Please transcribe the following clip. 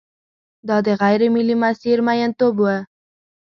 دا د غېر ملي مسیر میینتوب و.